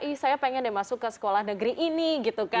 ih saya pengen deh masuk ke sekolah negeri ini gitu kan